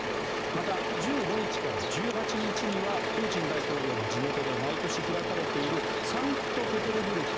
また、１５日から１８日にはプーチン大統領の地元で毎年開かれているサンクトペテルブルク